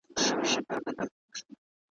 چي سبا او بله ورځ اوبه وچیږي ,